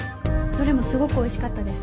どれもすごくおいしかったです。